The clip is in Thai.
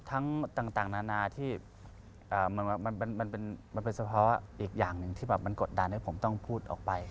ต่างนานาที่มันเป็นเฉพาะอีกอย่างหนึ่งที่แบบมันกดดันให้ผมต้องพูดออกไป